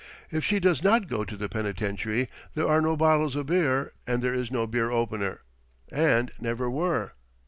If she does not go to the penitentiary, there are no bottles of beer and there is no beer opener. And never were!"